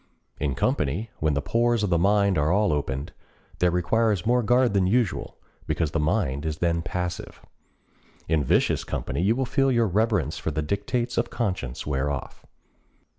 In company, when the pores of the mind are all opened, there requires more guard than usual, because the mind is then passive. In vicious company you will feel your reverence for the dictates of conscience wear off.